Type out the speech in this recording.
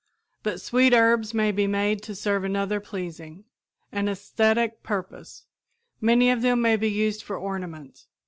But sweet herbs may be made to serve another pleasing, an æsthetic purpose. Many of them may be used for ornament.